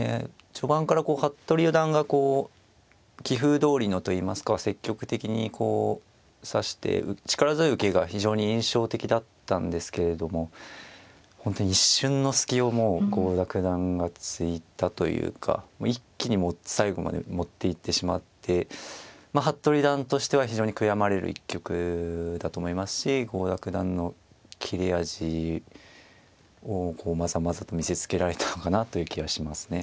序盤から服部四段がこう棋風どおりのといいますか積極的にこう指して力強い受けが非常に印象的だったんですけれども本当に一瞬の隙をもう郷田九段がついたというか一気に最後まで持っていってしまって服部四段としては非常に悔やまれる一局だと思いますし郷田九段の切れ味をまざまざと見せつけられたかなという気はしますね。